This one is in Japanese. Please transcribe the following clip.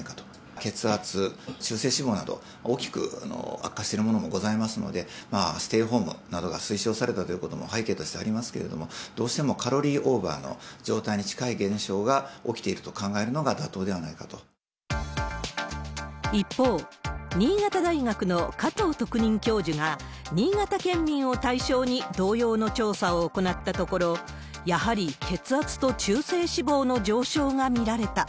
血圧、中性脂肪など、大きく悪化しているものもございますので、ステイホームなどが推奨されたということも背景としてありますけれども、どうしてもカロリーオーバーの状態に近い現象が起きていると考え一方、新潟大学の加藤特任教授が新潟県民を対象に同様の調査を行ったところ、やはり血圧と中性脂肪の上昇が見られた。